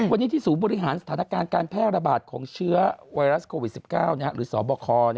วันนี้ที่ศูนย์บริหารสถานการณ์การแพร่ระบาดของเชื้อไวรัสโควิด๑๙หรือสบค